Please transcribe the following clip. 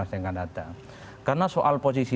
yang akan datang karena soal posisi